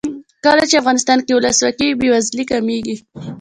کله چې افغانستان کې ولسواکي وي بې وزلي کمیږي.